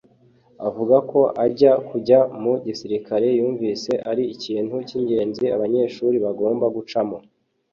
avuga ko ajya kujya mu gisirikare yumvise ari ikintu cy’ingenzi abanyeshuri bagomba gucamo